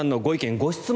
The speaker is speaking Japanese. ・ご質問